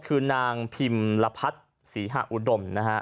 คือนางพิมพ์ละพัธธ์ศรีหะอุดม